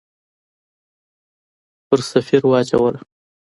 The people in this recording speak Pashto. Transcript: په سفیر واچوله.